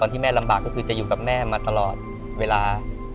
ที่แม่ลำบากก็คือจะอยู่กับแม่มาตลอดเวลา